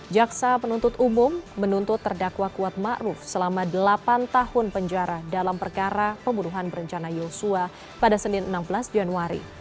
jaksa penuntut umum menuntut terdakwa kuat ⁇ maruf ⁇ selama delapan tahun penjara dalam perkara pembunuhan berencana yosua pada senin enam belas januari